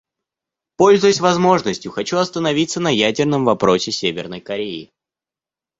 Пользуясь возможностью, хочу остановиться на ядерном вопросе Северной Кореи.